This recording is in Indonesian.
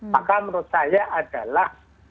maka menurut saya adalah